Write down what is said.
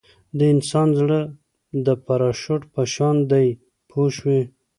د انسان زړه د پراشوټ په شان دی پوه شوې!.